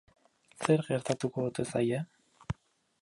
Zer gertatuko ote zaie?